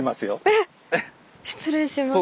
えっ⁉失礼します。